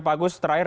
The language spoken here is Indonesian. pak agus terakhir